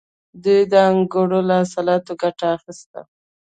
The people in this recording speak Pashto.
دوی د انګورو له حاصلاتو ګټه اخیسته